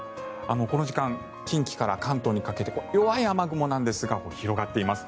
この時間、近畿から関東にかけて弱い雨雲なんですが広がっています。